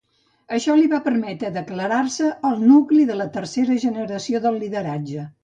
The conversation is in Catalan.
Això li va permetre declarar-se el "nucli" de la tercera generació del lideratge.